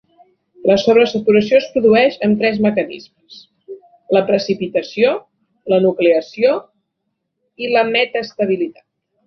La sobresaturació es produeix amb tres mecanismes: la precipitació, la nucleació i la metaestabilitat.